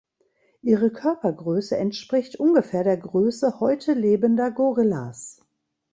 Ihre Körpergröße entspricht ungefähr der Größe heute lebender Gorillas.